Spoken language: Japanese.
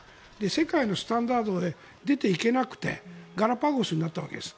世界のスタンダードへ出ていけなくてガラパゴスになったわけです。